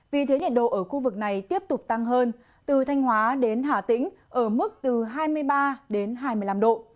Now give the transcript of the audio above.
vì thế nhiệt độ ở khu vực này tiếp tục tăng hơn từ thanh hóa đến hà tĩnh ở mức từ hai mươi ba đến hai mươi năm độ